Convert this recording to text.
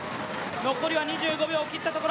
残りは２５秒を切ったところ。